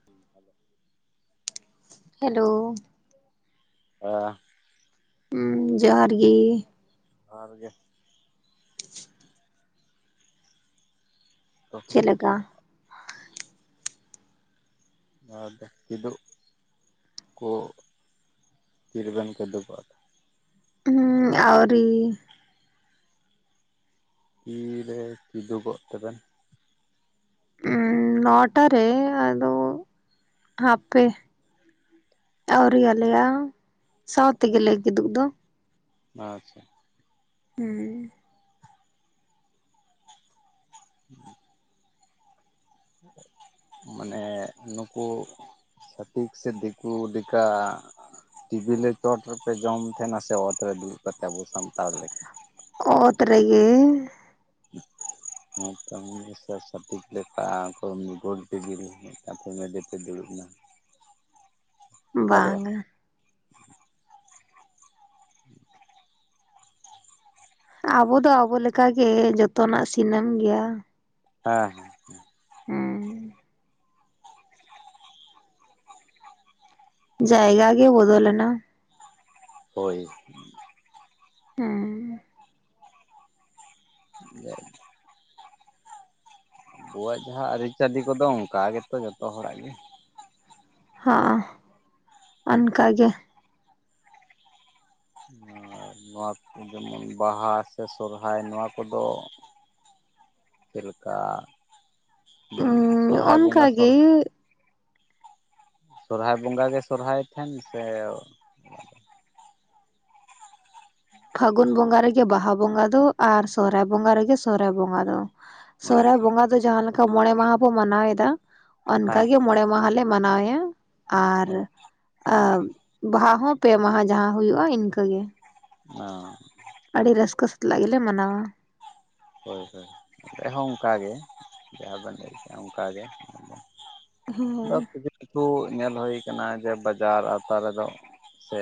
[unintelligible] Hello. [inaudible] ᱦᱩᱸ ᱡᱚᱦᱟᱨ ᱜᱤ᱾ ᱡᱚᱦᱟᱨ ᱜᱮ᱾ ᱪᱮᱫ ᱞᱮᱠᱟ᱾ ᱱᱚᱣᱟ ᱠᱤᱫᱩᱜ ᱠᱚ ᱛᱤ ᱨᱮᱵᱮᱱ ᱠᱤᱫᱩᱜ ᱚᱜᱼᱟ? ᱦᱩᱸ ᱟᱣᱨᱤ᱾ ᱛᱤᱨᱮ ᱠᱤᱫᱩᱜᱚᱜ ᱠᱟᱫᱟ? ᱩᱸ ᱱᱚᱴᱟ ᱨᱮ ᱟᱫᱚ, ᱦᱟᱯᱮ᱾ ᱟᱹᱣᱨᱤ ᱟᱞᱮᱭᱟ ᱥᱟᱶ ᱛᱮᱜᱮᱞᱮ ᱠᱤᱫᱩᱜ ᱫᱚ᱾ ᱟᱪᱪᱷᱟ᱾ ᱦᱮᱸ [inaudible] ᱢᱟᱱᱮ ᱱᱩᱠᱩ᱾ ᱪᱷᱟᱹᱛᱤᱠ ᱥᱮ ᱫᱤᱠᱩ ᱞᱮᱠᱟ᱾ ᱴᱤᱵᱤᱞᱮ ᱪᱚᱴ ᱨᱮᱯᱮ ᱡᱚᱢ ᱛᱷᱮ ᱱᱟᱥᱮ ᱚᱛ ᱨᱮ ᱫᱩᱲᱩᱵ ᱠᱟᱛᱮ ᱟᱵᱚ ᱥᱟᱱᱛᱟᱲ ᱞᱮᱠᱟ᱾ ᱚᱛ ᱨᱮᱜᱮ᱾ [inaudible] ᱥᱚᱴᱷᱤᱠ ᱞᱮᱠᱟ [inaudible] ᱫᱩᱲᱩᱵ ᱮᱱᱟ᱾ ᱚᱱᱠᱟ ᱫᱚ ᱵᱟᱝ ᱵᱟᱝ-ᱟ᱾ ᱟᱵᱚ ᱫᱚ ᱟᱵᱚ ᱞᱮᱠᱟ ᱜᱮ ᱡᱚᱛᱚᱱᱟᱜ ᱥᱤᱱᱮᱢ ᱜᱮᱭᱟ᱾ ᱦᱮᱸ ᱡᱟᱭᱜᱟ ᱦᱮᱸ ᱜᱮ ᱵᱚᱫᱚᱞ ᱞᱮᱱᱟ᱾ ᱦᱳᱭ᱾ ᱦᱩᱸ [inaudible] ᱟᱵᱚᱣᱟᱜ ᱡᱟᱸᱦᱟᱸ ᱟᱹᱨᱤᱪᱟᱞᱤ ᱠᱚᱫᱚ ᱚᱱᱠᱟ ᱜᱮᱛᱚ ᱡᱚᱛᱚ ᱦᱚᱲᱟᱜ ᱜᱮ᱾ ᱦᱟᱸ ᱚᱱᱠᱟ ᱜᱮ᱾ ᱟᱨ ᱱᱚᱣᱟ ᱠᱩ ᱡᱮᱢᱚᱱ ᱵᱟᱦᱟ ᱥᱮ ᱥᱚᱨᱦᱟᱭ ᱱᱚᱣᱟ ᱠᱚᱫᱚ, ᱪᱮᱫ ᱞᱮᱠᱟ ᱥᱚᱨᱦᱟᱭ ᱵᱚᱸᱜᱟ [inaudible] ᱚᱱᱠᱟᱜᱮ ᱥᱚᱨᱦᱟᱭ ᱵᱚᱸᱜᱟ ᱜᱮ ᱥᱚᱨᱦᱟᱭ ᱴᱷᱮᱱ ᱥᱮᱼᱼ ᱯᱷᱟᱹᱜᱩᱱ ᱵᱚᱸᱜᱟ ᱨᱮᱜᱮ ᱵᱟᱦᱟ ᱵᱚᱸᱜᱟ ᱫᱚ ᱟᱨ ᱥᱚᱦᱨᱟᱭ ᱵᱚᱸᱜᱟ ᱨᱮᱜᱮ ᱥᱚᱦᱨᱟᱭ ᱵᱚᱸᱜᱟ ᱫᱚ ᱥᱚᱦᱨᱟᱭ ᱟᱪᱪᱷᱟ ᱵᱚᱸᱜᱟ ᱫᱚ ᱡᱟᱦᱟᱸ ᱞᱮᱠᱟ ᱢᱚᱬᱮ ᱢᱟᱦᱟ ᱵᱚ ᱢᱟᱱᱟᱣ ᱮᱫᱟ ᱚᱱᱠᱟ ᱜᱮ ᱢᱚᱬᱮ ᱢᱟᱦᱟᱞᱮ ᱢᱟᱱᱟᱣᱭᱟ ᱟᱨᱼᱼ ᱦᱮᱸ ᱟᱨ ᱵᱟᱦᱟ ᱦᱚᱸ ᱯᱮ ᱢᱟᱦᱟ ᱡᱟᱦᱟᱸ ᱦᱩᱭᱩᱜᱼᱟ ᱤᱱᱠᱟᱹ ᱜᱮᱼᱼ ᱦᱮᱸ ᱟᱹᱰᱤ ᱨᱟᱹᱥᱠᱟᱹ ᱥᱟᱛᱞᱟᱜ ᱜᱮᱞᱮ ᱢᱟᱱᱟᱣᱟ ᱦᱳᱭ ᱦᱳᱭ ᱟᱞᱮ ᱦᱚᱸ ᱚᱱᱠᱟ ᱜᱮ ᱡᱟᱦᱟᱸ ᱵᱮᱱ ᱞᱟᱹᱭ ᱠᱮᱫ-ᱟ ᱚᱱᱠᱟ ᱜᱮᱼᱼ ᱦᱮᱸ ᱦᱮᱸ ᱟᱨ ᱠᱤᱪᱷᱩ ᱠᱤᱪᱷᱩ ᱧᱮᱞ ᱦᱳᱭ ᱠᱟᱱᱟ ᱡᱮ ᱵᱟᱡᱟᱨ ᱟᱶᱛᱟ ᱨᱮᱫᱚ ᱥᱮᱼᱼ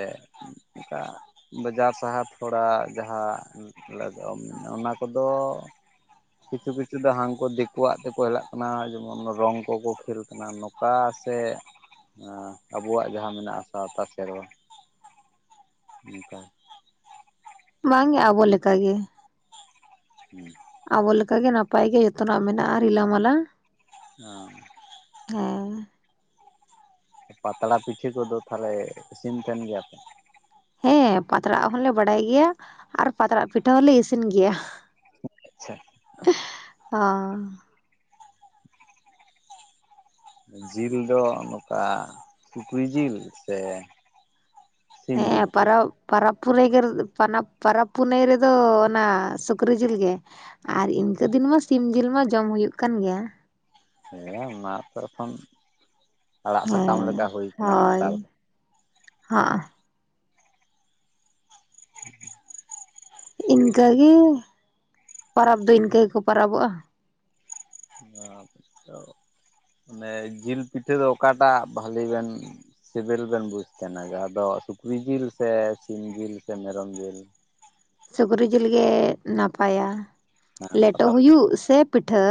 ᱚᱱᱠᱟ ᱵᱟᱡᱟᱨ ᱥᱟᱦᱟᱨ ᱛᱷᱚᱲᱟ ᱡᱟᱦᱟᱸ ᱞᱟᱜᱟᱣ ᱚᱱᱟ ᱠᱚ ᱫᱚᱼᱼ ᱛᱚᱻ ᱠᱤᱪᱷᱩ ᱠᱤᱪᱷᱩ ᱫᱚ ᱦᱟᱱᱠᱩ ᱫᱤᱠᱩᱣᱟᱜ ᱛᱮᱠᱚ ᱦᱮᱞᱟᱜ ᱠᱟᱱᱟ ᱡᱮᱢᱚᱱ ᱨᱚᱝ ᱠᱚᱠᱚ ᱠᱷᱮᱞ ᱠᱟᱱᱟ ᱚᱠᱟ ᱥᱮ ᱟᱵᱚᱣᱟᱜ ᱡᱟᱦᱟᱸ ᱢᱮᱱᱟᱜᱼᱟ ᱥᱟᱶᱛᱟ ᱥᱮᱨᱣᱟᱼᱼ ᱚᱱᱠᱟ ᱵᱟᱝ ᱜᱮ ᱟᱵᱚ ᱞᱮᱠᱟ ᱜᱮ [inaudible] ᱟᱵᱚ ᱞᱮᱠᱟᱜ ᱜᱮ ᱱᱟᱯᱟᱭ ᱜᱮ ᱡᱚᱛᱚᱱᱟᱜ ᱢᱮᱱᱟᱜᱼᱟ ᱨᱤᱞᱟᱹ ᱢᱟᱞᱟᱼᱼ [unintelligible] ᱦᱮᱸ ᱯᱟᱛᱲᱟ ᱯᱤᱴᱷᱟᱹ ᱠᱚᱫᱚ ᱛᱟᱦᱞᱮ ᱤᱥᱤᱱ ᱛᱮᱱ ᱜᱮᱭᱟ ᱯᱮᱼᱼ ᱦᱮᱸ ᱯᱟᱛᱲᱟ ᱦᱚᱸᱞᱮ ᱵᱟᱰᱟᱭ ᱜᱮᱭᱟ ᱟᱨ ᱯᱟᱛᱲᱟ ᱯᱤᱴᱷᱟᱹ ᱦᱚᱞᱮ ᱤᱥᱤᱱ ᱜᱮᱭᱟ ᱟᱪᱪᱷᱟ [unintelligible] ᱡᱤᱞ ᱫᱚ ᱱᱚᱠᱟ ᱥᱩᱠᱨᱤ ᱡᱤᱞ ᱥᱮᱼᱼ ᱦᱮᱸ ᱯᱟᱨᱟᱣᱼᱼ ᱯᱚᱨᱚᱵᱽ ᱯᱷᱩᱨᱟᱹᱭ ᱜᱮ [unintelligible] ᱯᱚᱨᱚᱵᱽ ᱯᱩᱱᱟᱹᱭ ᱨᱮᱫᱚ ᱚᱱᱟ ᱥᱩᱠᱨᱤ ᱡᱤᱞ ᱜᱮ ᱟᱨ ᱤᱱᱠᱟᱹ ᱫᱤᱱ ᱢᱟ ᱥᱤᱢ ᱡᱤᱞ ᱢᱟ ᱡᱚᱢ ᱦᱩᱭᱩᱜ ᱠᱟᱱ ᱜᱮᱭᱟ ᱦᱮᱸ ᱢᱟ [unintelligible] ᱠᱷᱚᱱ ᱟᱲᱟᱜ ᱥᱟᱠᱟᱢ ᱦᱮᱸ ᱞᱮᱠᱟ ᱦᱩᱭ ᱠᱟᱱᱟ ᱱᱮᱛᱟᱨ ᱫᱚ ᱦᱚᱸᱜᱼᱚ [inaudible] ᱤᱱᱠᱟᱹ ᱜᱮ ᱯᱟᱨᱟᱵᱽ ᱫᱚ ᱤᱱᱠᱟᱹ ᱜᱮᱠᱚ ᱯᱟᱨᱟᱵᱚᱜ-ᱟ᱾ ᱟᱪᱪᱷᱟ ᱚᱱᱮ ᱡᱤᱞ ᱯᱤᱴᱷᱟᱹ ᱫᱚ ᱚᱠᱟᱴᱟᱜ ᱵᱷᱟᱞᱤ ᱵᱮᱱᱼᱼ ᱥᱤᱵᱤᱞ ᱵᱮᱱ ᱵᱩᱡᱽ ᱛᱮᱦᱮᱱᱟ ᱡᱟᱦᱟᱸ ᱫᱚ ᱥᱩᱠᱨᱤ ᱡᱤᱞ ᱥᱮ ᱥᱤᱢ ᱡᱤᱞ ᱥᱮ ᱢᱮᱨᱚᱢ ᱡᱤᱞ? ᱥᱩᱠᱨᱤ ᱡᱤᱞ ᱜᱮ ᱱᱟᱯᱟᱭᱟ ᱦᱮᱸ ᱞᱮᱴᱚ ᱯᱟᱛᱲᱟ ᱦᱩᱭᱩᱜ ᱥᱮ ᱯᱤᱴᱷᱟᱹᱼᱼ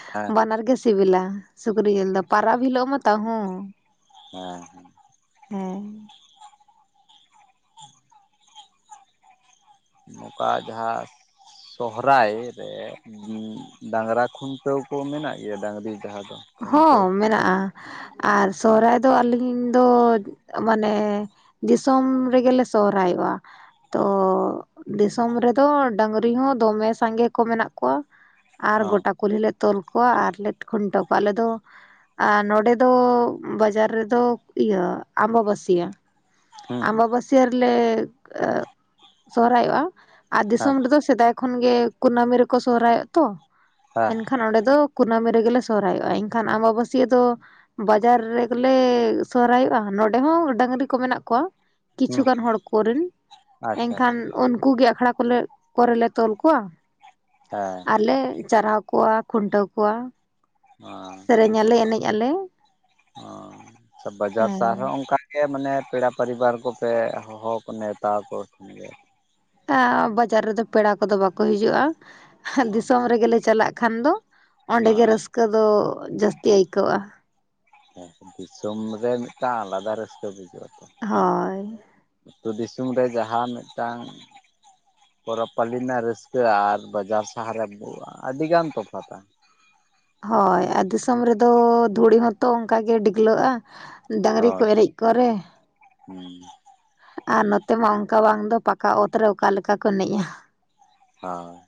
ᱯᱤᱴᱷᱟᱹ ᱵᱟᱱᱟᱨ ᱜᱮ ᱥᱤᱵᱤᱞᱟ ᱥᱩᱠᱨᱤ ᱡᱤᱞ ᱫᱚ ᱯᱟᱨᱚᱵᱽ ᱦᱤᱞᱳᱜ ᱢᱟ ᱛᱟᱣ ᱦᱚᱸᱼᱼ ᱦᱮᱸᱻ ᱦᱮᱸ᱾ ᱱᱚᱠᱟ ᱡᱟᱦᱟᱸ ᱥᱚᱦᱚᱨᱟᱭ ᱨᱮᱼᱼ ᱩᱸ ᱰᱟᱝᱨᱟ ᱠᱷᱩᱱᱴᱟᱹᱣ ᱠᱚ ᱢᱮᱱᱟᱜ ᱜᱮᱭᱟ ᱰᱟᱹᱝᱨᱤ ᱡᱟᱦᱟᱸ ᱫᱚᱼᱼ ᱦᱚᱸ ᱢᱮᱱᱟᱜ-ᱟ ᱟᱨ ᱥᱚᱦᱨᱟᱭ ᱫᱚ ᱟᱞᱤᱼᱼ ᱤᱧ ᱫᱚ ᱢᱟᱱᱮ ᱫᱤᱥᱚᱢ ᱨᱮᱜᱮ ᱞᱮ ᱥᱚᱦᱨᱟᱭᱚᱜ-ᱟ᱾ ᱛᱚ ᱫᱤᱥᱚᱢ ᱨᱮ ᱫᱚ ᱰᱟᱹᱝᱨᱤ ᱦᱚᱸ ᱫᱚᱢᱮ ᱥᱟᱸᱜᱮ ᱠᱚ ᱢᱮᱱᱟᱜ ᱠᱚᱣᱟ᱾ ᱟᱨ ᱚ ᱜᱚᱴᱟ ᱠᱩᱞᱦᱤ ᱞᱮ ᱛᱚᱞ ᱠᱚᱣᱟ ᱟᱨ ᱞᱮ ᱠᱷᱩᱱᱴᱟᱹᱣ ᱠᱚᱣᱟ ᱟᱞᱮ ᱫᱚ᱾ ᱟᱨ ᱱᱚᱸᱰᱮ ᱫᱚ ᱵᱟᱡᱟᱨ ᱨᱮᱫᱚ ᱤᱭᱟᱹ ᱟᱢᱵᱟ ᱵᱟᱥᱤᱭᱟᱹ᱾ ᱦᱩᱸ᱾ ᱵᱟ ᱵᱟᱹᱥᱭᱟᱹ ᱨᱮᱞᱮ ᱚᱜ ᱥᱚᱦᱨᱟᱭᱚᱜᱼᱟ ᱟᱨ ᱦᱮᱸ ᱫᱤᱥᱚᱢ ᱨᱮᱫᱚ ᱥᱤᱼᱼ ᱥᱮᱫᱟᱭ ᱠᱷᱚᱱ ᱜᱮ ᱠᱩᱱᱟᱹᱢᱤ ᱨᱮᱠᱚ ᱥᱚᱦᱨᱟᱭᱚᱜᱼᱟ ᱛᱚ ᱦᱮᱸ ᱮᱱᱠᱷᱟᱱ ᱚᱸᱰᱮ ᱫᱚ ᱠᱩᱱᱟᱹᱢᱤ ᱨᱮᱜᱮᱼᱼ ᱥᱚᱦᱨᱟᱭᱚᱜᱼᱟ ᱮᱱᱠᱷᱟᱱ ᱟᱢᱵᱟᱼᱵᱟᱹᱥᱭᱟᱸ ᱫᱚᱼᱼ ᱵᱟᱡᱟᱨ ᱨᱮᱜᱮ ᱞᱮ ᱥᱚᱦᱨᱟᱭᱚᱜᱼᱟ ᱱᱚᱸᱰᱮ ᱦᱚᱸ ᱰᱟᱹᱝᱨᱤ ᱠᱚ ᱢᱮᱱᱟᱜ ᱠᱚᱣᱟ᱾ ᱠᱤᱪᱷᱩ ᱦᱩᱸ ᱜᱟᱱ ᱦᱚᱲ ᱠᱚᱨᱮᱱ ᱟᱪᱪᱷᱟ ᱮᱝᱠᱷᱟᱱ ᱩᱱᱠᱩ ᱜᱮ ᱟᱠᱷᱲᱟ ᱠᱚᱞᱮ‌ ᱠᱚᱨᱮ ᱞᱮ ᱛᱚᱞ ᱠᱚᱣᱟ᱾ ᱦᱮᱸ ᱟᱨ ᱞᱮ ᱪᱟᱨᱟᱣ ᱠᱚᱣᱟ ᱠᱷᱩᱱᱴᱟᱹᱣ ᱠᱚᱣᱟ᱾ ᱚᱸᱻ ᱥᱮᱨᱮᱧ ᱟᱞᱮ ᱟᱫᱚ ᱮᱱᱮᱡ ᱟᱞᱮ ᱚᱸ ᱵᱟᱡᱟᱨ ᱥᱟᱦᱟᱨ ᱨᱮ ᱦᱚᱸ ᱦᱮᱸ ᱚᱝᱠᱟᱼᱼ ᱜᱮ ᱢᱟᱱᱮ ᱯᱮᱲᱟ ᱯᱟᱹᱨᱤᱵᱟᱨ ᱠᱚᱯᱮ ᱦᱚᱦᱚ ᱠᱚ ᱱᱮᱶᱛᱟ ᱠᱚ ᱜᱷᱮᱱ ᱜᱮᱭᱟ᱾ ᱟ ᱵᱟᱡᱟᱨ ᱨᱮᱫᱚ ᱯᱮᱲᱟ ᱠᱚᱫᱚ ᱵᱟᱠᱚ ᱦᱤᱡᱩᱜᱼᱟ᱾ ᱚ ᱫᱤᱥᱚᱢ ᱨᱮᱜᱮ ᱞᱮ ᱪᱟᱞᱟᱜ ᱠᱷᱟᱱ ᱫᱚ ᱚᱸᱰᱮ ᱜᱮ ᱟᱨ ᱨᱟᱹᱥᱼᱼ ᱠᱟᱹ ᱫᱚ ᱡᱟᱹᱥᱛᱤ ᱟᱹᱭᱠᱟᱹᱣᱚᱜᱼᱟ᱾ ᱦᱮᱸ ᱫᱤᱥᱚᱢ ᱨᱮ ᱢᱤᱫᱴᱟᱝ ᱟᱞᱟᱫᱟ ᱨᱟᱹᱥᱠᱟᱹ ᱵᱩᱡᱟᱹᱜᱼᱟ᱾ ᱦᱚᱭ᱾ ᱟᱹᱛᱩ ᱫᱤᱥᱚᱢ ᱨᱮ ᱡᱟᱦᱟᱸ ᱢᱤᱫ ᱴᱟᱝᱼᱼ ᱯᱚᱨᱚᱵᱽ ᱯᱟᱞᱤ ᱱᱟᱜ ᱨᱟᱹᱥᱠᱟᱹ ᱟᱨ ᱵᱟᱡᱟᱨ ᱥᱟᱦᱟᱨ ᱨᱮ ᱵᱚ ᱟᱰᱤ ᱜᱟᱱ ᱛᱚᱯᱷᱟ ᱛᱟ᱾ ᱦᱳᱭ ᱟᱨ ᱫᱤᱥᱚᱢ ᱨᱮᱫᱚ ᱫᱷᱩᱲᱤ ᱦᱚᱸᱛᱚ ᱚᱱᱠᱟ ᱜᱮ ᱰᱤᱜᱞᱟᱹᱜᱼᱟ᱾ ᱰᱟᱝᱨᱤ ᱠᱚ ᱦᱳᱭ ᱮᱱᱮᱡ ᱠᱚᱨᱮ᱾ ᱦᱩᱸ ᱟᱨ ᱱᱚᱛᱮ ᱢᱟ ᱚᱱᱠᱟ ᱵᱟᱝ ᱫᱚ ᱯᱟᱠᱟ ᱚᱛ ᱨᱮ ᱚᱠᱟ ᱞᱮᱠᱟ ᱠᱚ ᱮᱱᱮᱡᱼᱟ᱾ ᱦᱚᱭ᱾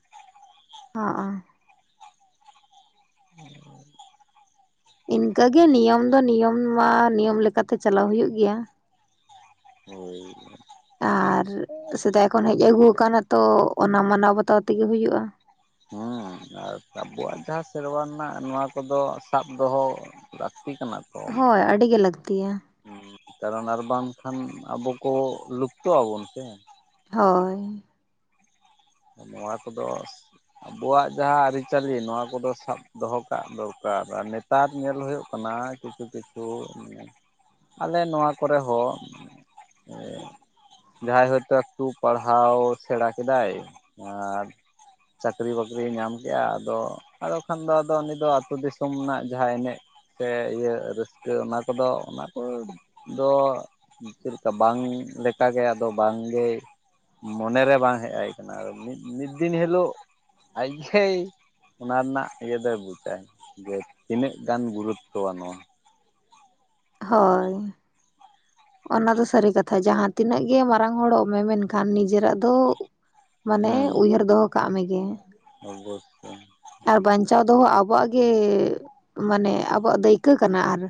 ᱚᱻ ᱚ᱾ ᱦᱚᱭ ᱦᱚᱭ᱾ ᱤᱱᱠᱟᱹ ᱜᱮ ᱱᱤᱭᱚᱢ ᱫᱚ ᱱᱤᱭᱚᱢ ᱢᱟ ᱱᱤᱭᱚᱢ ᱞᱮᱠᱟ ᱛᱮ ᱪᱟᱞᱟᱣ ᱦᱩᱭᱩᱜ ᱜᱮᱭᱟ᱾ ᱦᱳᱭ᱾ ᱟᱨ ᱥᱮᱫᱟᱭ ᱠᱷᱚᱱ ᱦᱮᱡ ᱟᱹᱜᱩᱣ ᱠᱟᱱᱟ ᱛᱚ ᱚᱱᱟ ᱢᱟᱱᱟᱣ ᱵᱟᱛᱟᱣ ᱛᱮᱜᱮ ᱦᱩᱭᱩᱜᱼᱟ᱾ ᱦᱩᱸ ᱟᱨ ᱟᱵᱚᱣᱟᱜ ᱡᱟᱦᱟᱸ ᱥᱮᱨᱣᱟ ᱨᱮᱱᱟᱜ ᱱᱚᱣᱟ ᱠᱚᱫᱚ ᱥᱟᱵ ᱫᱚᱦᱚᱼᱼ ᱞᱟᱠᱛᱤ ᱠᱟᱱᱟ᱾ ᱦᱚᱭ ᱟᱰᱤ ᱜᱮ ᱞᱟᱹᱠᱛᱤᱭᱟ᱾ ᱦᱮᱸ ᱠᱟᱨᱚᱱ ᱟᱨ ᱵᱟᱝᱠᱷᱟᱱ ᱟᱵᱚ ᱠᱚ ᱞᱩᱯᱛᱚᱜ ᱟᱵᱚᱱ ᱥᱮ᱾ ᱦᱚᱭ᱾ ᱛᱚ ᱱᱚᱣᱟ ᱠᱚᱫᱚᱥ ᱟᱵᱚᱣᱟᱜ ᱡᱟᱦᱟᱸ ᱟᱨᱤ ᱪᱟᱹᱞᱤ ᱱᱚᱣᱟ ᱠᱚᱫᱚ ᱥᱟᱵᱼᱼ ᱫᱚᱦᱚ ᱠᱟᱜ ᱫᱚᱨᱠᱟᱨ ᱟᱨ ᱱᱮᱛᱟᱨ ᱧᱮᱞ ᱦᱩᱭᱩᱜ ᱠᱟᱱᱟ ᱠᱤᱪᱷᱩ ᱠᱤᱪᱷᱩ ᱢᱟᱱᱮᱼᱼ ᱟᱞᱮ ᱱᱚᱣᱟ ᱠᱚᱨᱮ ᱦᱚᱸᱼᱼ ᱮᱫ ᱡᱟᱦᱟᱸᱭ ᱦᱚᱭᱛᱳ ᱮᱠᱴᱩ ᱯᱟᱲᱦᱟᱣ ᱥᱮᱬᱟ ᱠᱮᱫᱟᱭ ᱟᱨ ᱪᱟᱠᱨᱤ ᱵᱟᱹᱠᱨᱤᱭ ᱧᱟᱢ ᱠᱮᱜᱼᱟ ᱟᱫᱚᱼᱼ ᱟᱫᱚ ᱠᱷᱟᱱ ᱫᱚ ᱟᱫᱚ ᱩᱱᱤ ᱫᱚ ᱟᱹᱛᱩᱳ ᱫᱤᱥᱚᱢ ᱨᱮᱱᱟᱜ ᱡᱟᱦᱟᱸ ᱮᱱᱮᱡ ᱥᱮ ᱤᱭᱟᱹ ᱨᱟᱹᱥᱠᱟᱹ ᱚᱱᱟ ᱠᱚᱫᱚ ᱚᱱᱟ ᱠᱚᱫᱚ, ᱪᱮᱫ ᱞᱮᱠᱟ ᱵᱟᱝ ᱞᱮᱠᱟᱜ ᱜᱮ ᱟᱫᱚ ᱵᱟᱝᱜᱮ ᱢᱚᱱᱮ ᱨᱮ ᱵᱟᱝ ᱦᱮᱡ ᱟᱭᱟᱹᱜᱼᱼ ᱢᱤᱫ ᱫᱤᱱ ᱦᱤᱞᱳᱜ ᱟᱡᱷᱟᱭ ᱚᱱᱟ ᱨᱮᱱᱟᱜ ᱤᱭᱟᱹ ᱫᱚᱭ ᱵᱩᱡᱟ ᱡᱮ ᱛᱤᱱᱟᱹᱜ ᱜᱟᱱ ᱜᱩᱨᱩᱛᱚᱣᱟ ᱱᱚᱣᱟ᱾ ᱦᱳᱭ᱾ ᱚᱱᱟ ᱫᱚ ᱥᱟᱹᱨᱤ ᱠᱟᱛᱷᱟ ᱡᱟᱦᱟᱸ ᱛᱤᱱᱟᱹᱜ ᱜᱮ ᱢᱟᱨᱟᱝ ᱦᱚᱲᱚᱜ ᱢᱮ ᱢᱮᱱᱠᱷᱟᱱ ᱱᱤᱡᱮᱨᱟᱜ ᱫᱚᱼᱼ ᱢᱟᱱᱮ ᱩᱭᱦᱟᱹᱨ ᱫᱚᱦᱚ ᱠᱟᱜ ᱢᱮᱜᱮ ᱚᱵᱚᱥᱚ ᱟᱨ ᱵᱟᱧᱪᱟᱣ ᱫᱚᱦᱚ ᱟᱵᱚᱣᱟᱜ ᱜᱮ ᱢᱟᱱᱮ ᱟᱵᱚᱣᱟᱜ ᱫᱟᱹᱭᱠᱟᱹ ᱠᱟᱱᱟ ᱟᱨᱼᱼ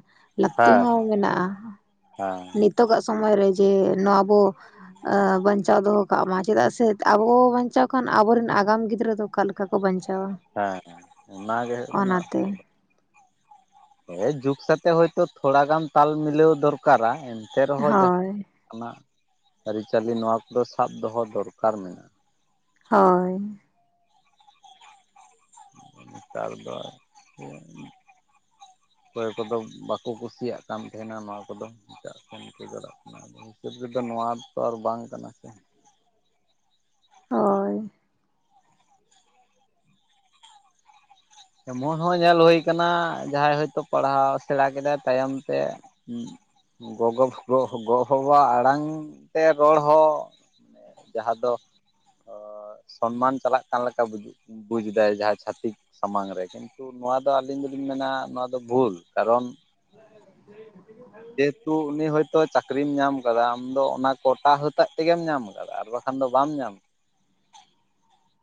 ᱞᱟᱹᱠᱛᱤ ᱦᱮᱸ ᱦᱚᱸ ᱢᱮᱱᱟᱜᱼᱟ ᱦᱮᱸ ᱱᱤᱛᱚᱜᱟᱜ ᱥᱚᱢᱚᱭ ᱨᱮ ᱡᱮ ᱱᱚᱣᱟ ᱟᱵᱚ, ᱵᱟᱧᱪᱟᱣ ᱫᱚᱦᱚ ᱠᱟᱜ ᱢᱟ ᱪᱮᱫᱟᱜ ᱥᱮ ᱟᱵᱚ ᱵᱟᱧᱪᱟᱣ ᱠᱷᱟᱱ ᱟᱵᱚᱨᱮᱱ ᱟᱜᱟᱢ ᱜᱤᱫᱽᱨᱟᱹ ᱫᱚ, ᱚᱠᱟ ᱞᱮᱠᱟ ᱠᱚ ᱵᱟᱧᱪᱟᱣᱟ, ᱦᱮᱸ ᱚᱱᱟᱜᱮ ᱦᱩᱭᱩᱜ ᱠᱟᱱᱟ, ᱚᱱᱟᱛᱮ ᱦᱮᱸ ᱡᱩᱜᱽ ᱥᱟᱛᱮᱜ ᱦᱳᱭᱛᱳ ᱛᱷᱚᱲᱟ ᱜᱟᱱ ᱛᱟᱞ ᱢᱤᱞᱟᱹᱣ ᱫᱚᱨᱠᱟᱨᱟ ᱮᱱᱛᱮ ᱨᱮᱦᱚᱸ ᱡᱟᱦᱟᱸ ᱦᱳᱭ ᱱᱟᱜ ᱟᱹᱨᱤᱪᱟᱹᱞᱤ ᱱᱚᱣᱟ ᱠᱚ ᱫᱚ ᱥᱟᱵ ᱫᱚᱦᱚ ᱫᱚᱨᱠᱟᱨ ᱢᱮᱱᱟᱜᱼᱟ, ᱦᱳᱭ, ᱱᱮᱛᱟᱨ ᱫᱚ, ᱚᱠᱚᱭ ᱠᱚᱫᱚ ᱵᱟᱠᱚ ᱠᱩᱥᱤᱭᱟᱜ ᱠᱟᱱ ᱛᱟᱦᱮᱱᱟ ᱱᱚᱣᱟ ᱠᱚᱫᱚ ᱮᱴᱟᱜ ᱠᱷᱚᱱᱟᱜ ᱠᱟᱱᱟ, ᱦᱤᱥᱟᱹᱵ ᱛᱮᱫᱚ ᱱᱚᱣᱟ ᱫᱚ ᱟᱨ ᱵᱟᱝ ᱠᱟᱱᱟ ᱥᱮ, ᱦᱳᱭ, [inaudible] ᱮᱢᱚᱱ ᱦᱚᱸ ᱧᱮᱞ ᱦᱩᱭ ᱟᱠᱟᱱᱟ ᱡᱟᱦᱟᱸᱭ ᱦᱚᱳᱭᱛᱳ ᱯᱟᱲᱦᱟᱣ ᱥᱮᱬᱟ ᱠᱮᱫᱟᱭ ᱛᱟᱭᱚᱢ ᱛᱮ, ᱜᱚᱜᱚ ᱜᱚ ᱵᱟᱵᱟ ᱟᱲᱟᱝ ᱛᱮ ᱨᱚᱲ ᱦᱚᱸ ᱡᱟᱦᱟᱸ ᱫᱚ, ᱥᱚᱱᱢᱟᱱ ᱪᱟᱞᱟᱜ ᱠᱟᱱ ᱞᱮᱠᱟ ᱵᱩᱡᱫᱟᱭ ᱡᱟᱦᱟᱸᱭ ᱪᱷᱟᱛᱤᱠ ᱥᱟᱢᱟᱝ ᱨᱮ ᱠᱤᱱᱛᱩ ᱱᱚᱣᱟ ᱫᱚ ᱟᱹᱞᱤᱧ ᱫᱚᱞᱤᱧ ᱢᱮᱱᱟ ᱱᱚᱣᱟ ᱫᱚ ᱵᱷᱩᱞ ᱠᱟᱨᱚᱱ ᱪᱮᱫ ᱛᱩ ᱩᱱᱤ ᱦᱚᱭᱛᱳ ᱪᱟᱹᱠᱨᱤᱢ ᱧᱟᱢ ᱟᱠᱟᱫᱟ ᱟᱢ ᱫᱚ ᱚᱱᱟ ᱠᱚᱴᱟ ᱦᱛᱟᱜ ᱛᱮᱜᱮᱢ ᱧᱟᱢ ᱟᱠᱟᱫᱟ ᱟᱨ ᱵᱟᱠᱷᱟᱱ ᱫᱚ ᱵᱟᱢ ᱧᱟᱢ ᱟᱠᱟᱫᱟ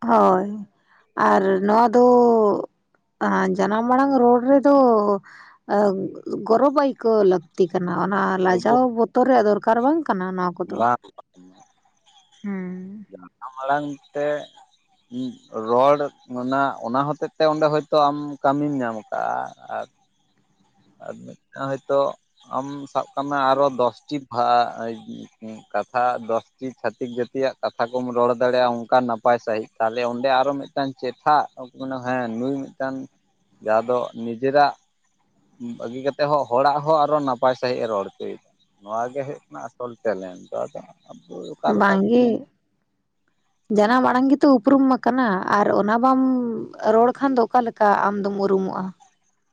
ᱦᱳᱭ ᱟᱨ ᱱᱚᱣᱟ ᱫᱚ, ᱡᱟᱱᱟ ᱢᱟᱲᱟᱝ ᱨᱳᱰ ᱨᱮᱫᱚ ᱜᱚᱨᱚᱵ ᱟᱭᱠᱟᱣ ᱞᱟᱠ ᱞᱟᱹᱠᱛᱤ ᱠᱟᱱᱟ ᱚᱱᱟ ᱟᱵᱚ ᱞᱟᱡᱟᱣ ᱵᱚᱛᱚᱨ ᱨᱮᱭᱟᱜ ᱫᱚᱨᱠᱟᱨ ᱵᱟᱝ ᱠᱟᱱᱟ ᱱᱚᱣᱟ ᱠᱚ, ᱵᱟᱝ ᱦᱩᱸ ᱡᱟᱱᱟᱢ ᱟᱲᱟᱝ ᱛᱮ ᱨᱚᱲ ᱨᱮᱱᱟᱜ ᱚᱱᱟ ᱦᱚᱛᱮᱡ ᱛᱮ ᱚᱸᱰᱮ ᱦᱚᱭᱛᱚ ᱟᱢ ᱠᱟᱹᱢᱤᱢ ᱧᱟᱢ ᱟᱠᱟᱜᱼᱟ ᱟᱨ, ᱟᱨ ᱢᱤᱫᱴᱟᱝ ᱦᱳᱭᱛᱳ ᱟᱢ ᱥᱟᱵ ᱠᱟᱜ ᱢᱮ ᱟᱨᱚ ᱫᱚᱥᱴᱤ ᱠᱟᱛᱷᱟ ᱫᱚᱥᱴᱤ ᱪᱷᱟᱛᱤᱠ ᱡᱟᱹᱛᱤᱭᱟᱜ ᱠᱟᱛᱷᱟ ᱠᱚᱢ ᱨᱚᱲ ᱫᱟᱲᱮᱭᱟᱜᱼᱟ ᱚᱱᱠᱟ ᱱᱟᱯᱟᱭ ᱥᱟᱺᱦᱤᱡ ᱛᱟᱦᱚᱞᱮ ᱚᱸᱰᱮ ᱟᱨᱚ ᱢᱤᱫᱴᱟᱝ, ᱢᱤᱫᱴᱟᱝ ᱪᱮᱴᱷᱟ ᱢᱮ ᱦᱮᱸ ᱱᱩᱭ ᱢᱤᱫᱴᱟᱝ ᱡᱟᱦᱟᱸ ᱫᱚ ᱱᱤᱡᱮᱨᱟᱜ, ᱵᱟᱹᱜᱤ ᱠᱟᱛᱮᱜ ᱦᱚᱸ ᱦᱚᱲᱟᱜ ᱦᱚᱸ ᱟᱨᱚ ᱱᱟᱯᱟᱭ ᱥᱟᱺᱦᱤᱡ ᱮ ᱨᱚᱲ ᱦᱚᱪᱚᱭᱮᱫᱟ, ᱱᱚᱣᱟ ᱜᱮ ᱦᱩᱭᱩᱜ ᱠᱟᱱᱟ ᱟᱥᱚᱞ ᱴᱮᱞᱮᱱᱴᱡ ᱫᱚ ᱟᱫᱚ, ᱟᱵᱚ, ᱚᱠᱟ ᱞᱮᱠᱟ ᱠᱚ ᱵᱟᱝᱜᱮ ᱢᱚᱱᱮ ᱡᱟᱱᱟ ᱟᱲᱟᱝ ᱜᱮᱛᱚ ᱩᱯᱨᱩᱢ ᱢᱟ, ᱠᱟᱱᱟ ᱟᱨ ᱚᱱᱟ ᱵᱟᱢ ᱨᱚᱲ ᱠᱷᱟᱱ ᱫᱚ ᱚᱠᱟᱞᱮᱠᱟ ᱟᱢ ᱫᱚᱢ ᱩᱨᱩᱢᱚᱜᱼᱟ,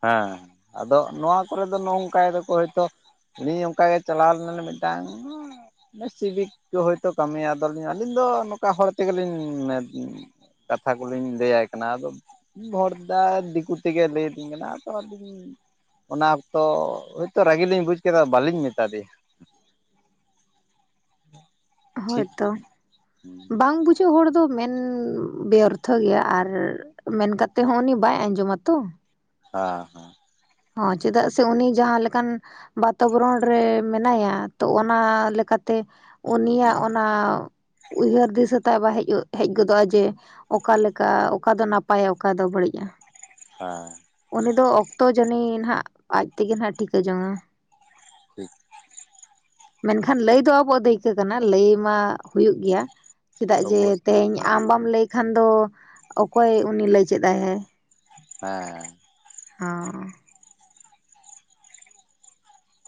ᱦᱮᱸ ᱟᱫᱚ ᱱᱚᱣᱟ ᱠᱚᱨᱮ ᱫᱚ ᱱᱚᱝᱠᱟᱭ ᱫᱟᱠᱚ ᱦᱳᱭᱛᱳ, ᱟᱹᱧ ᱚᱱᱠᱟ ᱜᱮ ᱪᱟᱞᱟᱣ ᱞᱮᱱᱟ ᱞᱤᱧ ᱢᱤᱫᱴᱟᱝ, ᱥᱤᱵᱤᱠ ᱠᱚ ᱦᱳᱭᱛᱳ ᱠᱟᱹᱢᱤᱭᱟ ᱟᱫᱚᱞᱤᱧ ᱟᱹᱞᱤᱧ ᱫᱚ ᱱᱚᱝᱠᱟ ᱦᱚᱲ ᱛᱮᱜᱮ ᱞᱤᱧ ᱠᱟᱛᱷᱟ ᱠᱚᱞᱤᱧ ᱞᱟᱹᱭᱟᱭ ᱠᱟᱱᱟ ᱟᱫᱚ ᱵᱷᱚᱨᱫᱟ ᱫᱤᱠᱩ ᱛᱮᱜᱮ ᱞᱮᱭ, ᱚᱱᱟ ᱚᱠᱛᱚ [unintelligible] ᱠᱟᱱᱟ ᱟ ᱛᱚ ᱟᱹᱞᱤᱧ ᱚᱱᱟ ᱚᱠᱛᱚ ᱦᱚᱭᱛᱚ ᱨᱟᱹᱜ ᱞᱤᱧ ᱵᱩᱡᱽ ᱠᱮᱫᱟ ᱵᱟᱟᱹᱞᱤᱧ ᱢᱮᱛᱟ ᱫᱮᱭᱟ ᱾ ᱴᱷᱤᱠ ᱦᱳᱭᱛᱚ ᱵᱟᱝ ᱦᱮᱸ ᱵᱩᱡᱽ ᱵᱟᱝ ᱵᱩᱡᱽ ᱦᱚᱲ ᱫᱚ ᱢᱮᱱ ᱵᱮᱚᱨᱛᱷᱚ ᱜᱮᱭᱟ, ᱟᱨ ᱢᱮᱱ ᱠᱟᱛᱮᱫ ᱦᱚᱸ ᱩᱱᱤ ᱵᱟᱭ ᱟᱸᱡᱚᱢᱟᱛᱚ ᱾ ᱦᱟ, ᱦᱚᱸ ᱪᱮᱫᱟᱜ ᱥᱮ ᱩᱱᱤ ᱡᱟᱦᱟᱸ ᱞᱮᱠᱟᱱ, ᱵᱟᱛᱚ ᱵᱚᱨᱚᱱ ᱨᱮ ᱢᱮᱱᱟᱭᱟ ᱛᱚ ᱚᱱᱟ ᱞᱮᱠᱟ ᱛᱮ ᱩᱱᱤᱭᱟᱜ ᱦᱮᱸ ᱚᱱᱟ ᱩᱭᱦᱟᱹᱨ ᱫᱤᱥᱟᱹᱛᱟ ᱵᱟᱭ ᱦᱮᱡ ᱦᱮᱡ ᱜᱚᱫᱚᱜᱼᱟ ᱡᱮ, ᱚᱠᱟᱞᱮᱠᱟ, ᱚᱠᱟ ᱫᱚ ᱱᱟᱯᱟᱭᱟ ᱚᱠᱟ ᱫᱚ ᱵᱟᱹᱲᱤᱡ ᱟ? ᱦᱮᱸ, ᱩᱱᱤ ᱫᱚ ᱚᱠᱛᱚ ᱡᱟᱹᱱᱤ ᱱᱟᱦᱜ ᱟᱡ ᱛᱮᱜᱮ ᱱᱟᱦᱟᱜ ᱮ ᱴᱷᱤᱠᱟᱹ ᱡᱚᱝ-ᱟ ᱾ [unintelligible] ᱢᱮᱱᱠᱷᱟᱱ ᱞᱟᱹᱭ ᱫᱚ ᱟᱵᱚᱣᱟᱜ ᱫᱟᱹᱭᱠᱟᱹ ᱠᱟᱱᱟ ᱞᱟᱹᱭ ᱢᱟ ᱦᱩᱭᱩᱜ ᱜᱮᱭᱟ᱾ ᱪᱮᱫᱟᱜ ᱡᱮ ᱟᱵᱚ ᱛᱮᱦᱤᱧ ᱦᱮᱸ ᱟᱢ ᱵᱟᱢ ᱞᱟᱹᱭ ᱠᱷᱟᱱ ᱫᱚ ᱚᱠᱚᱭ ᱩᱱᱤ ᱞᱟᱹᱭ ᱪᱮᱫ ᱟᱭᱟᱭ? ᱦᱮᱸ, [inaudible]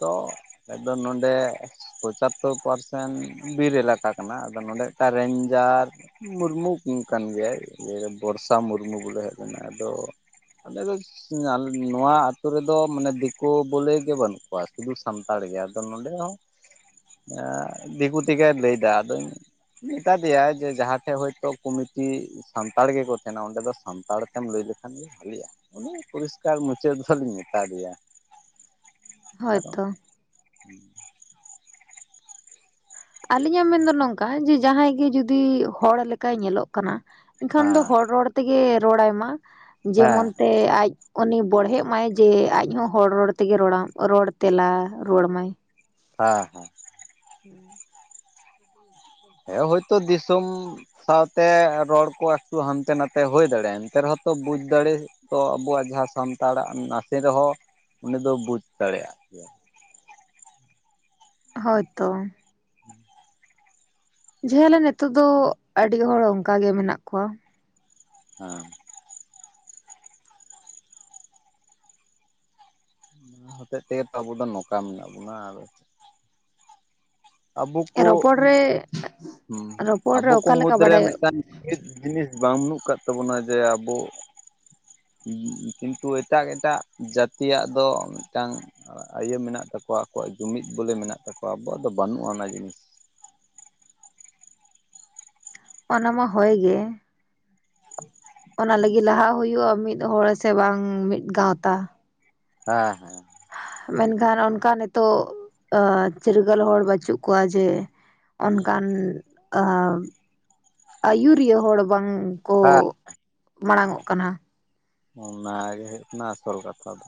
ᱛᱚ ᱮᱠᱫᱚᱢ ᱱᱚᱸᱰᱮ ᱯᱚᱸᱪᱟᱨᱛᱳ ᱯᱟᱨᱥᱮᱱ ᱵᱤᱨ ᱮᱞᱟᱠᱟ ᱠᱟᱱᱟ ᱟᱫᱚ ᱱᱚᱰᱮᱴ ᱨᱮᱧᱡᱟᱨ ᱢᱩᱨᱢᱩ ᱠᱟᱱ ᱜᱮᱭᱟᱭ ᱡᱮ ᱵᱚᱨᱥᱟ ᱢᱩᱨᱢᱩ ᱵᱚᱞᱮ ᱦᱮᱡ ᱞᱮᱱᱟᱭ ᱟᱫᱚ ᱟᱞᱮ ᱫᱚ ᱱᱚᱣᱟ ᱟᱛᱳ ᱨᱮᱫᱚ ᱢᱟᱱᱮ ᱫᱤᱠᱳ ᱵᱚᱞᱮ ᱜᱮ ᱵᱟᱹᱱᱩᱜ ᱠᱚᱣᱟ᱾ᱥᱩᱫᱷᱩ ᱥᱟᱱᱛᱟᱲ ᱜᱮ ᱟᱫᱚ ᱱᱚᱸᱰᱮ ᱦᱚᱸ ᱫᱤᱠᱩ ᱛᱮᱜᱮ ᱞᱟᱹᱭᱫᱟ ᱟᱫᱚ ᱢᱮᱛᱟ ᱫᱮᱭᱟ ᱡᱮ ᱡᱟᱦᱟᱸᱴᱷᱮᱡ ᱦᱚᱭᱛᱳ ᱠᱚᱢᱤᱴᱤ ᱥᱟᱱᱛᱟᱲ ᱜᱮᱠᱚ ᱛᱟᱦᱮᱱᱟ ᱚᱸᱰᱮ ᱫᱚ ᱥᱟᱱᱛᱟᱲ ᱛᱮᱢ ᱞᱟᱹᱭ ᱞᱮᱠᱷᱟᱱ ᱜᱮ ᱵᱷᱟᱹᱞᱤ-ᱟ ᱚᱱᱮ ᱯᱚᱨᱤᱥᱠᱟᱨ ᱢᱩᱪᱟᱹᱫ [inaudible] ᱢᱮᱛᱟ ᱫᱮᱭᱟ, ᱦᱳᱭᱛᱚ [inaudible] ᱟᱹᱞᱤᱧᱟᱜ ᱢᱮᱱᱫᱚ ᱱᱚᱝᱠᱟ ᱡᱮ ᱡᱟᱦᱟᱸᱭ ᱜᱮ ᱡᱩᱫᱤ ᱦᱚᱲ ᱞᱮᱠᱟᱭ ᱧᱮᱞᱚᱜ ᱠᱟᱱᱟ ᱮᱱᱠᱷᱟᱱ ᱫᱚ ᱦᱚᱲ ᱨᱚᱲ ᱛᱮᱜᱮ ᱨᱚᱲᱟᱭ ᱢᱟ ᱦᱮᱸ ᱡᱮᱢᱚᱱ ᱛᱮ ᱟᱡ ᱩᱱᱤ ᱵᱚᱲᱦᱮᱜ ᱢᱟᱭ ᱡᱮ ᱟᱡ ᱦᱚᱸ ᱦᱚᱲ ᱨᱚᱲ ᱛᱮᱜᱮ ᱨᱚᱲᱟ ᱨᱚᱲ ᱛᱮᱞᱟ ᱨᱩᱣᱟᱹᱲ ᱣᱟᱢᱟᱭ᱾ ᱦᱮᱸ ᱦᱮᱸ, [unintelligible] [unintelligible] ᱦᱮᱸ ᱦᱳᱭᱛᱚ ᱫᱤᱥᱚᱢ ᱥᱟᱶᱛᱮ ᱨᱚᱲ ᱠᱚ ᱮᱠᱴᱩ ᱦᱟᱱᱛᱮ ᱱᱟᱛᱮ ᱦᱩᱭ ᱫᱟᱲᱮᱭᱟᱜ-ᱟ ᱮᱱᱛᱮ ᱨᱮᱦᱚᱸ ᱛᱚ ᱵᱩᱡ ᱫᱟᱲᱮ ᱛᱚ ᱟᱵᱚᱣᱟᱜ ᱡᱟᱦᱟᱸ ᱥᱟᱱᱛᱟᱲᱟᱜ ᱱᱟᱥᱮ ᱨᱮᱦᱚᱸ ᱩᱱᱤ ᱫᱚ ᱵᱩᱡ ᱫᱟᱲᱮᱭᱟᱜ ᱜᱮᱭᱟ᱾ ᱦᱳᱭ ᱛᱚ ᱾ [inaudible] ᱞᱮ ᱱᱤᱛᱚᱜ ᱫᱚ ᱟᱹᱰᱤ ᱦᱚᱲ ᱚᱝᱠᱟ ᱜᱮ ᱢᱮᱱᱟᱜ ᱠᱚᱣᱟ᱾ ᱦᱮᱸ, ᱚᱱᱟ ᱦᱚᱛᱮᱜ ᱛᱮᱜᱮ ᱛᱚ ᱟᱵᱚ ᱫᱚ ᱱᱚᱠᱟ ᱢᱮᱱᱟᱜ ᱵᱚᱱᱟ ᱟᱨ ᱟᱵᱚ ᱠᱚ ᱨᱚᱯᱚᱲ ᱨᱮ ᱦᱩᱸ ᱨᱚᱯᱚᱲ ᱨᱮ ᱟᱵᱚ ᱠᱚ ᱚᱠᱟᱞᱮᱠᱟ ᱢᱩᱫᱽᱨᱮ ᱵᱟᱰᱟᱭ ᱢᱤᱫᱴᱟᱝ [unintelligible] ᱵᱟᱹᱢᱱᱩᱜ ᱟᱠᱟᱫ ᱛᱟᱵᱚᱱᱟ ᱡᱮ ᱟᱵᱚ ᱠᱤᱱᱛᱩ ᱮᱴᱟᱜ ᱮᱴᱟᱜ ᱡᱟᱹᱛᱤᱭᱟᱜ ᱫᱚ ᱢᱤᱫᱴᱟᱝ ᱟᱭᱤᱭᱟᱹ ᱢᱮᱱᱟᱜ ᱛᱟᱠᱚᱣᱟ ᱟᱠᱚᱣᱟᱜ ᱡᱩᱢᱤᱫ ᱵᱚᱞᱮ ᱢᱮᱱᱟᱜ ᱛᱟᱠᱚᱣᱟ ᱟᱵᱚᱣᱟᱜ ᱫᱚ ᱵᱟᱹᱱᱩᱜ-ᱟ ᱚᱱᱟ ᱡᱤᱱᱤᱥ᱾ ᱚᱱᱟ ᱢᱟ ᱦᱳᱭ ᱜᱮ, ᱚᱱᱟ ᱞᱟᱹᱜᱤᱫ ᱞᱟᱦᱟ ᱦᱩᱭᱩᱜ-ᱟ ᱢᱤᱫ ᱦᱚᱲ ᱥᱮ ᱵᱟᱝ ᱢᱤᱫ ᱜᱟᱶᱛᱟ᱾ ᱦᱮᱸ ᱦᱮᱸ, ᱢᱮᱱᱠᱷᱟᱱ ᱚᱱᱠᱟ ᱱᱤᱛᱚᱜ ᱪᱤᱨᱜᱟᱹᱞ ᱦᱚᱲ ᱵᱟᱹᱪᱩᱜ ᱠᱚᱣᱟ ᱡᱮ ᱚᱱᱠᱟᱱ ᱟᱹᱭᱩᱨᱤᱭᱟᱹ ᱦᱚᱲ ᱵᱟᱝ ᱠᱚ [unintelligible] ᱢᱟᱲᱟᱝ ᱚᱜ ᱠᱟᱱᱟ, ᱚᱱᱟ ᱜᱮ ᱦᱳᱭᱳᱜ ᱠᱟᱱᱟ ᱟᱥᱚᱞ ᱠᱟᱛᱷᱟ ᱫᱚ᱾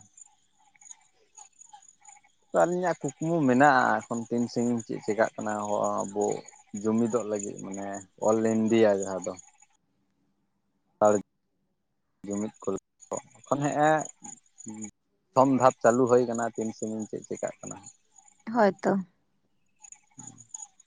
ᱛᱚ ᱟᱹᱞᱤᱧᱟᱜ ᱠᱩᱠᱢᱩ ᱢᱮᱱᱟᱜ-ᱟ ᱟᱨ ᱠᱷᱚᱱ ᱛᱤᱱ ᱥᱟᱺᱜᱤᱧ ᱪᱮᱫ ᱪᱮᱠᱟᱜ ᱠᱟᱱᱟ, ᱦᱚᱸ ᱟᱵᱚ ᱡᱩᱢᱤᱫᱚᱜ ᱞᱟᱹᱜᱤᱫ ᱢᱟᱱᱮ ᱚᱞ ᱤᱱᱰᱤᱭᱟ ᱡᱟᱦᱟᱸ ᱫᱚ, ᱥᱟᱱᱛᱟᱲ ᱡᱩᱢᱤᱫ ᱠᱚ ᱠᱷᱚᱱ ᱦᱮᱸ ᱯᱨᱚᱛᱷᱚᱢ ᱫᱷᱟᱯ ᱪᱟᱹᱞᱩ ᱦᱩᱭ ᱟᱠᱟᱱᱟ ᱛᱤᱱ ᱥᱟᱸᱜᱤᱧ ᱪᱮᱫ ᱪᱮᱠᱟᱹᱜ ᱠᱟᱱᱟ। ᱦᱳᱭ ᱛᱚ [inaudible]